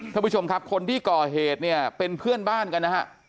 ท่านผู้ชมครับคนที่ก่อเหตุเนี่ยเป็นเพื่อนบ้านกันนะฮะ